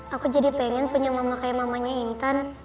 aku jadi pengen punya mama kayak mamanya intan